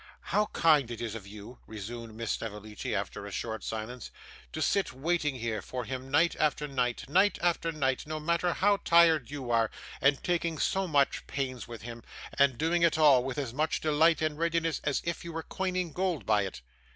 'How kind it is of you,' resumed Miss Snevellicci, after a short silence, 'to sit waiting here for him night after night, night after night, no matter how tired you are; and taking so much pains with him, and doing it all with as much delight and readiness as if you were coining gold by it!